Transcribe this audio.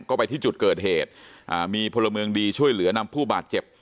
ก็ไปที่จุดเกิดเหตุอ่ามีพลเมืองดีช่วยเหลือนำผู้บาดเจ็บ